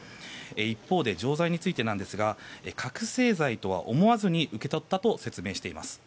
一方で錠剤についてですが覚醒剤とは思わずに受け取ったと説明しています。